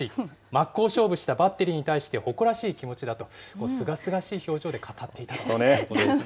真っ向勝負したバッテリーに対して誇らしい気持ちだと、すがすがしい表情で語っていたということです。